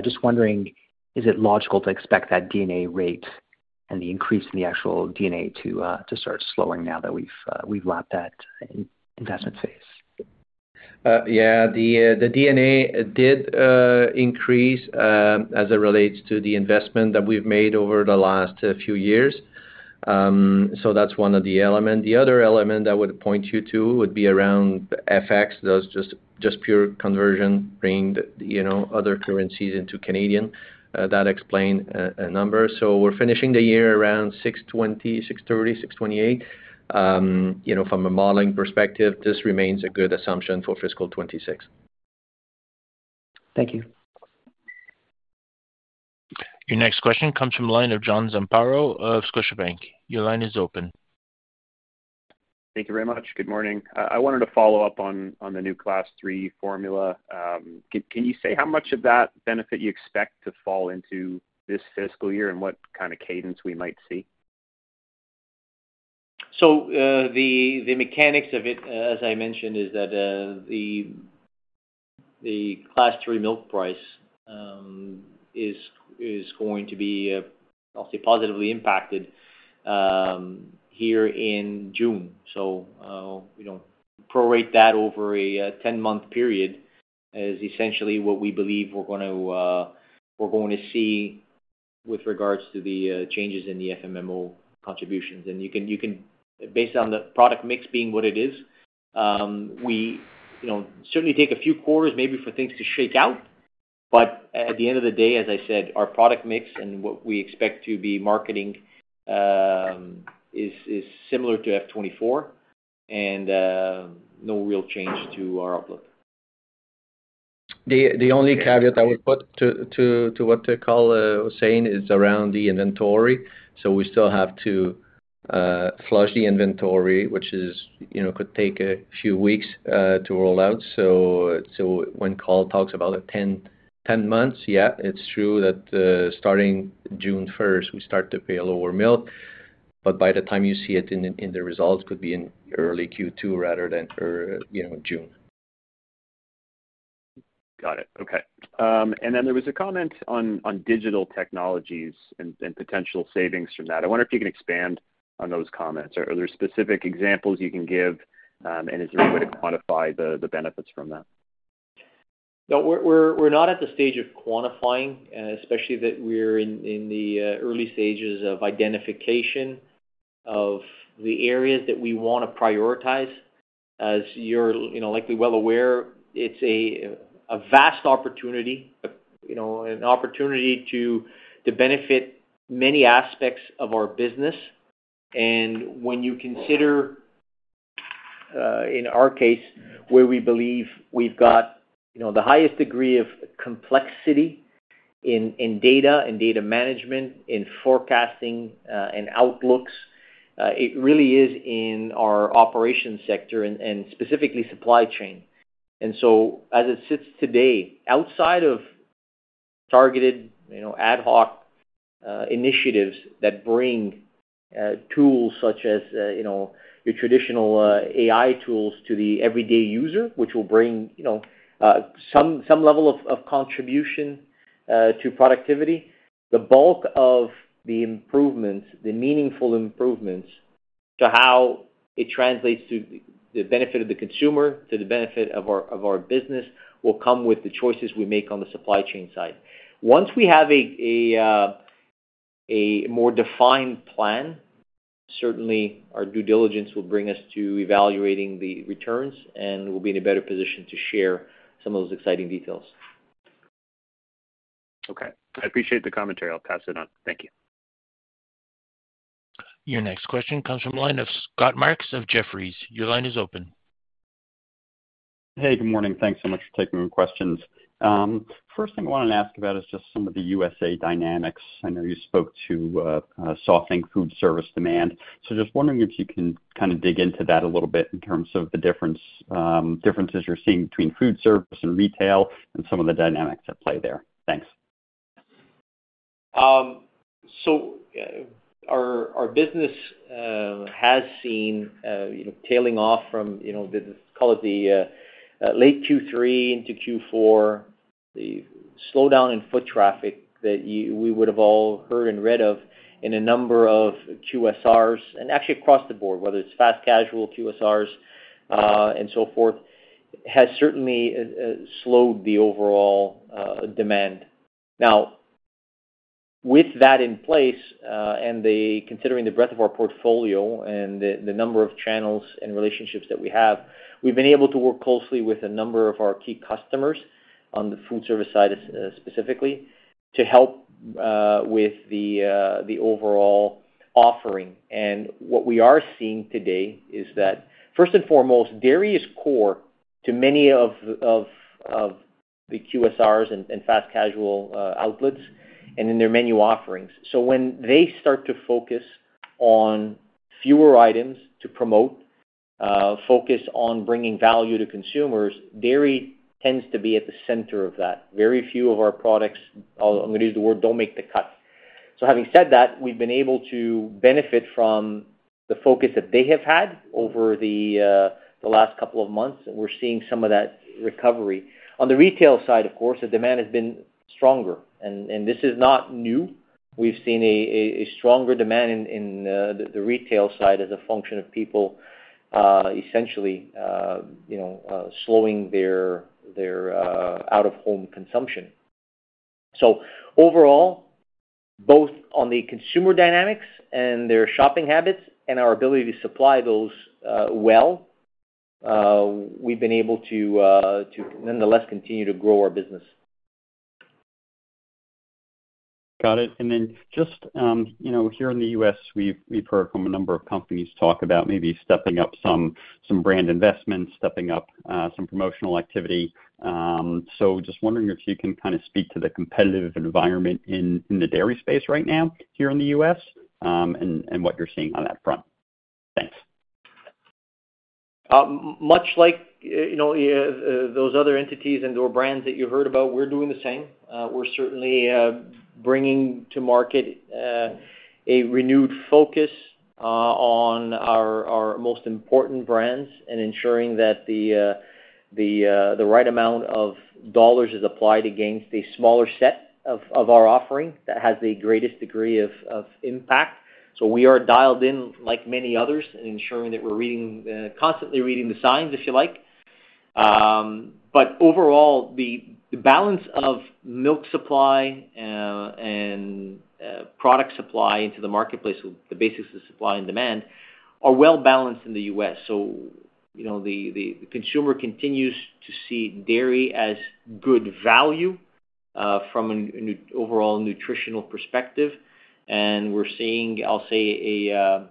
Just wondering, is it logical to expect that D&A rate and the increase in the actual D&A to start slowing now that we've lapped that investment phase? Yeah. The D&A did increase as it relates to the investment that we've made over the last few years. So that's one of the elements. The other element I would point you to would be around FX, just pure conversion, bringing other currencies into Canadian. That explains a number. So we're finishing the year around 620 million-630 million, 628 million. From a modeling perspective, this remains a good assumption for fiscal 2026. Thank you. Your next question comes from the line of John Zamparo of Scotiabank. Your line is open. Thank you very much. Good morning. I wanted to follow up on the new class three formula. Can you say how much of that benefit you expect to fall into this fiscal year and what kind of cadence we might see? The mechanics of it, as I mentioned, is that the class three milk price is going to be, I'll say, positively impacted here in June. We do not prorate that over a 10-month period, which is essentially what we believe we are going to see with regards to the changes in the FMMO contributions. You can, based on the product mix being what it is, certainly take a few quarters maybe for things to shake out. At the end of the day, as I said, our product mix and what we expect to be marketing is similar to F2024 and no real change to our outlook. The only caveat I would put to what Carl was saying is around the inventory. We still have to flush the inventory, which could take a few weeks to roll out. When Carl talks about 10 months, yeah, it's true that starting June 1, we start to pay a lower milk. By the time you see it in the results, it could be in early Q2 rather than June. Got it. Okay. There was a comment on digital technologies and potential savings from that. I wonder if you can expand on those comments. Are there specific examples you can give, and is there a way to quantify the benefits from that? No, we're not at the stage of quantifying, especially that we're in the early stages of identification of the areas that we want to prioritize. As you're likely well aware, it's a vast opportunity, an opportunity to benefit many aspects of our business. When you consider, in our case, where we believe we've got the highest degree of complexity in data and data management, in forecasting and outlooks, it really is in our operations sector and specifically supply chain. As it sits today, outside of targeted ad hoc initiatives that bring tools such as your traditional AI tools to the everyday user, which will bring some level of contribution to productivity, the bulk of the improvements, the meaningful improvements to how it translates to the benefit of the consumer, to the benefit of our business, will come with the choices we make on the supply chain side. Once we have a more defined plan, certainly our due diligence will bring us to evaluating the returns, and we'll be in a better position to share some of those exciting details. Okay. I appreciate the commentary. I'll pass it on. Thank you. Your next question comes from the line of Scott Marks of Jefferies. Your line is open. Hey, good morning. Thanks so much for taking the questions. First thing I wanted to ask about is just some of the U.S.A. dynamics. I know you spoke to softening food service demand. Just wondering if you can kind of dig into that a little bit in terms of the differences you're seeing between food service and retail and some of the dynamics at play there. Thanks. Our business has seen tailing off from, call it the late Q3 into Q4, the slowdown in foot traffic that we would have all heard and read of in a number of QSRs, and actually across the board, whether it's fast casual QSRs and so forth, has certainly slowed the overall demand. Now, with that in place and considering the breadth of our portfolio and the number of channels and relationships that we have, we've been able to work closely with a number of our key customers on the food service side specifically to help with the overall offering. What we are seeing today is that, first and foremost, dairy is core to many of the QSRs and fast casual outlets and in their menu offerings. When they start to focus on fewer items to promote, focus on bringing value to consumers, dairy tends to be at the center of that. Very few of our products, I'm going to use the word, do not make the cut. Having said that, we've been able to benefit from the focus that they have had over the last couple of months, and we're seeing some of that recovery. On the retail side, of course, the demand has been stronger. This is not new. We've seen a stronger demand in the retail side as a function of people essentially slowing their out-of-home consumption. Overall, both on the consumer dynamics and their shopping habits and our ability to supply those well, we've been able to nonetheless continue to grow our business. Got it. And then just here in the U.S., we've heard from a number of companies talk about maybe stepping up some brand investments, stepping up some promotional activity. Just wondering if you can kind of speak to the competitive environment in the dairy space right now here in the U.S. and what you're seeing on that front. Thanks. Much like those other entities and/or brands that you heard about, we're doing the same. We're certainly bringing to market a renewed focus on our most important brands and ensuring that the right amount of dollars is applied against a smaller set of our offering that has the greatest degree of impact. We are dialed in like many others and ensuring that we're constantly reading the signs, if you like. Overall, the balance of milk supply and product supply into the marketplace, the basis of supply and demand, are well balanced in the U.S. The consumer continues to see dairy as good value from an overall nutritional perspective. We're seeing, I'll say, a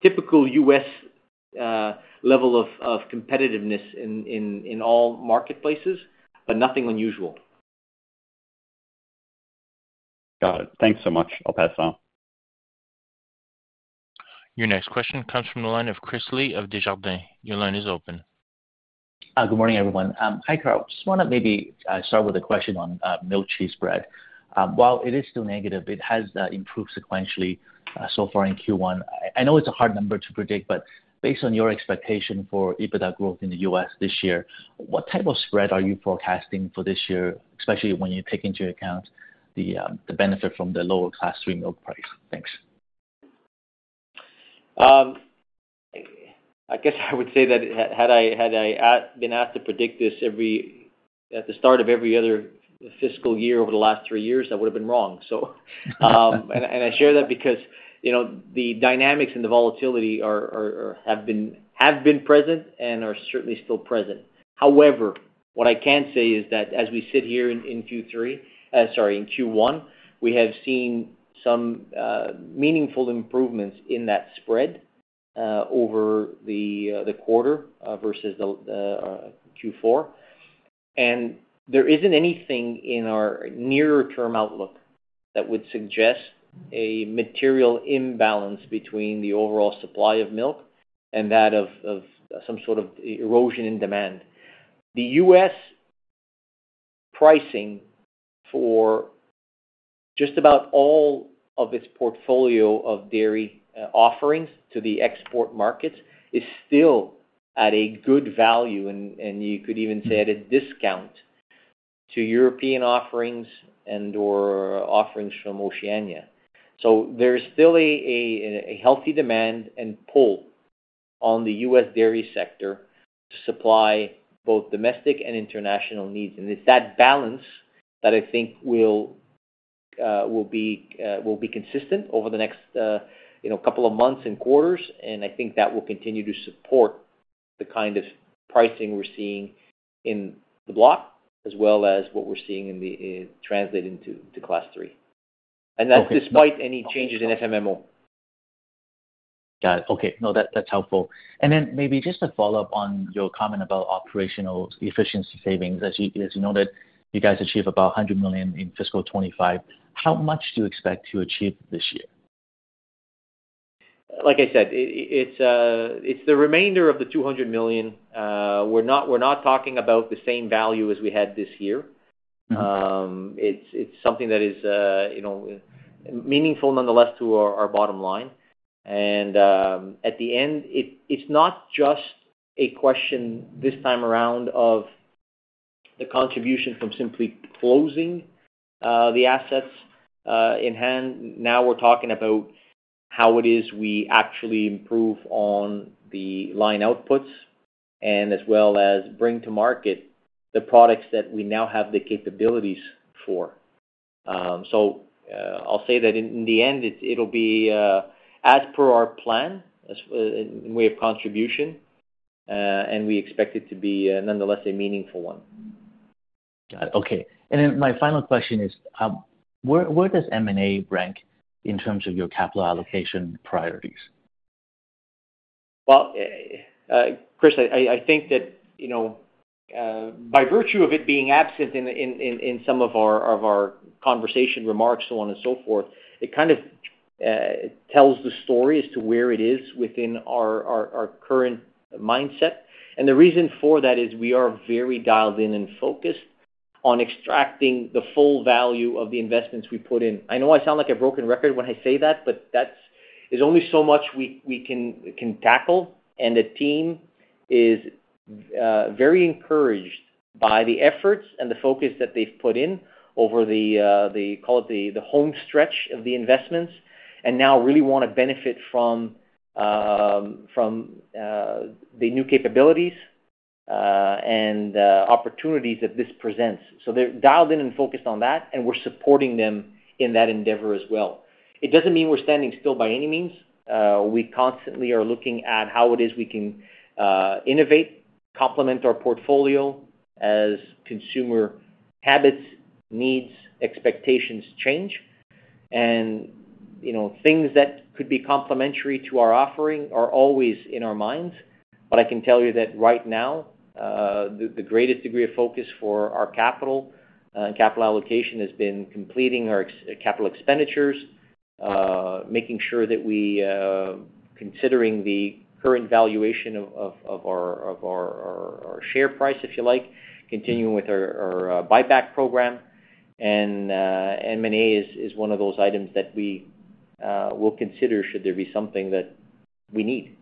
typical U.S. level of competitiveness in all marketplaces, but nothing unusual. Got it. Thanks so much. I'll pass it on. Your next question comes from the line of Chris Lee of Desjardins. Your line is open. Good morning, everyone. Hi, Carl. Just want to maybe start with a question on milk cheese spread. While it is still negative, it has improved sequentially so far in Q1. I know it's a hard number to predict, but based on your expectation for EBITDA growth in the U.S. this year, what type of spread are you forecasting for this year, especially when you take into account the benefit from the lower Class III milk price? Thanks. I guess I would say that had I been asked to predict this at the start of every other fiscal year over the last three years, I would have been wrong. I share that because the dynamics and the volatility have been present and are certainly still present. However, what I can say is that as we sit here in Q3, sorry, in Q1, we have seen some meaningful improvements in that spread over the quarter versus Q4. There is not anything in our nearer-term outlook that would suggest a material imbalance between the overall supply of milk and that of some sort of erosion in demand. The U.S. pricing for just about all of its portfolio of dairy offerings to the export markets is still at a good value, and you could even say at a discount to European offerings and/or offerings from Oceania. There is still a healthy demand and pull on the US dairy sector to supply both domestic and international needs. It is that balance that I think will be consistent over the next couple of months and quarters. I think that will continue to support the kind of pricing we are seeing in the block as well as what we are seeing translate into class three. That is despite any changes in FMMO. Got it. Okay. No, that's helpful. Maybe just to follow up on your comment about operational efficiency savings, as you noted, you guys achieve about $100 million in fiscal 2025. How much do you expect to achieve this year? Like I said, it is the remainder of the $200 million. We are not talking about the same value as we had this year. It is something that is meaningful nonetheless to our bottom line. At the end, it is not just a question this time around of the contribution from simply closing the assets in hand. Now we are talking about how it is we actually improve on the line outputs and as well as bring to market the products that we now have the capabilities for. I will say that in the end, it will be as per our plan in way of contribution, and we expect it to be nonetheless a meaningful one. Got it. Okay. My final question is, where does M&A rank in terms of your capital allocation priorities? Chris, I think that by virtue of it being absent in some of our conversation remarks, so on and so forth, it kind of tells the story as to where it is within our current mindset. The reason for that is we are very dialed in and focused on extracting the full value of the investments we put in. I know I sound like a broken record when I say that, but that is only so much we can tackle. The team is very encouraged by the efforts and the focus that they've put in over the, call it the home stretch of the investments and now really want to benefit from the new capabilities and opportunities that this presents. They are dialed in and focused on that, and we are supporting them in that endeavor as well. It does not mean we are standing still by any means. We constantly are looking at how it is we can innovate, complement our portfolio as consumer habits, needs, expectations change. Things that could be complementary to our offering are always in our minds. I can tell you that right now, the greatest degree of focus for our capital and capital allocation has been completing our capital expenditures, making sure that we're considering the current valuation of our share price, if you like, continuing with our buyback program. M&A is one of those items that we will consider should there be something that we need.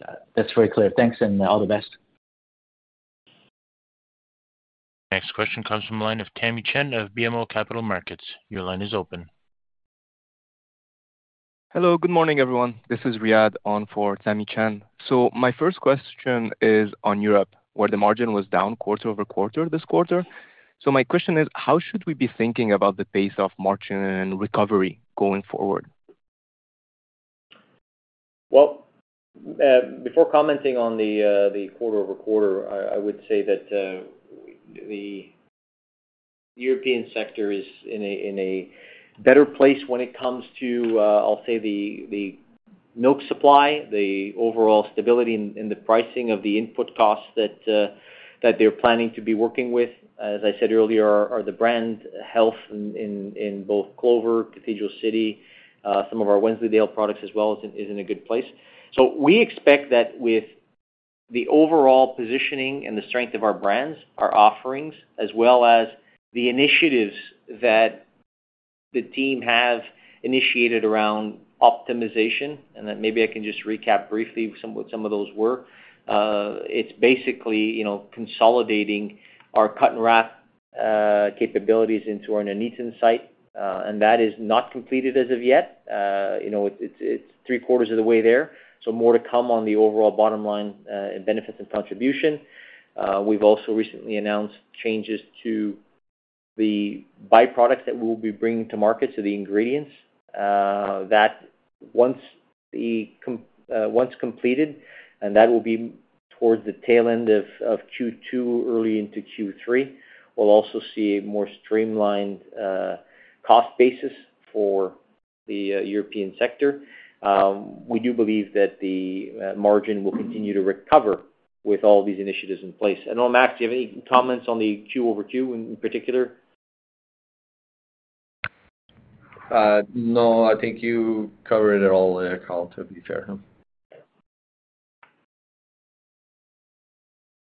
Got it. That's very clear. Thanks, and all the best. Next question comes from the line of Tamy Chen of BMO Capital Markets. Your line is open. Hello, good morning, everyone. This is Riyadh on for Tamy Chen. My first question is on Europe, where the margin was down quarter over quarter this quarter. My question is, how should we be thinking about the pace of margin recovery going forward? Before commenting on the quarter over quarter, I would say that the European sector is in a better place when it comes to, I'll say, the milk supply, the overall stability in the pricing of the input costs that they're planning to be working with. As I said earlier, the brand health in both Clover, Cathedral City, some of our Wesley Dale products as well is in a good place. We expect that with the overall positioning and the strength of our brands, our offerings, as well as the initiatives that the team have initiated around optimization, and maybe I can just recap briefly what some of those were. It's basically consolidating our cut and wrap capabilities into our Nuniten site. That is not completed as of yet. It's three quarters of the way there. More to come on the overall bottom line benefits and contribution. We've also recently announced changes to the byproducts that we will be bringing to market, so the ingredients. That once completed, and that will be towards the tail end of Q2, early into Q3, we'll also see a more streamlined cost basis for the European sector. We do believe that the margin will continue to recover with all these initiatives in place. Max, do you have any comments on the Q over Q in particular? No, I think you covered it all there, Carl, to be fair.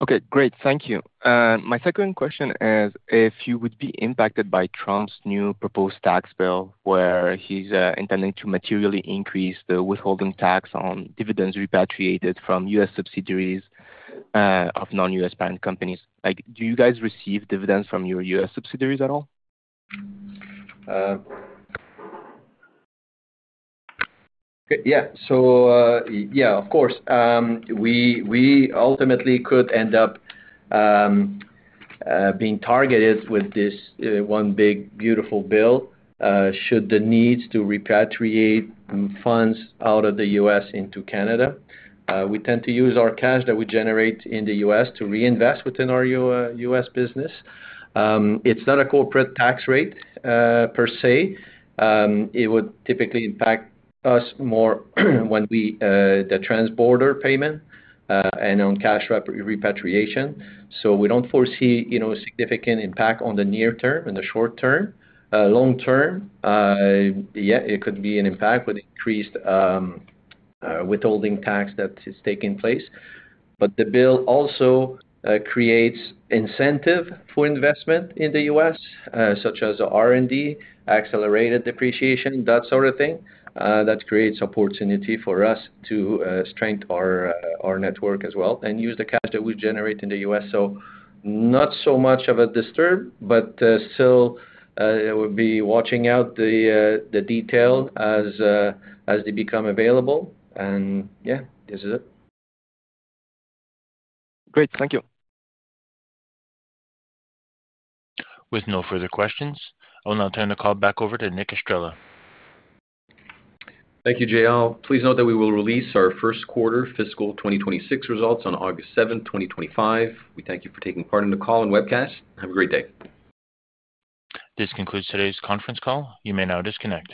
Okay. Great. Thank you. My second question is, if you would be impacted by Trump's new proposed tax bill where he's intending to materially increase the withholding tax on dividends repatriated from US subsidiaries of non-US-bound companies, do you guys receive dividends from your US subsidiaries at all? Yeah. So yeah, of course. We ultimately could end up being targeted with this one big, beautiful bill should the need to repatriate funds out of the U.S. into Canada. We tend to use our cash that we generate in the US to reinvest within our US business. It's not a corporate tax rate per se. It would typically impact us more when we do the trans-border payment and on cash repatriation. We don't foresee a significant impact in the near term and the short term. Long term, yeah, it could be an impact with increased withholding tax that is taking place. The bill also creates incentive for investment in the U.S., such as R&D, accelerated depreciation, that sort of thing. That creates opportunity for us to strengthen our network as well and use the cash that we generate in the US. Not so much of a disturb, but still, we'll be watching out the detail as they become available. Yeah, this is it. Great. Thank you. With no further questions, I'll now turn the call back over to Nick Estrela. Thank you, JL. Please note that we will release our first quarter fiscal 2026 results on August 7, 2025. We thank you for taking part in the call and webcast. Have a great day. This concludes today's conference call. You may now disconnect.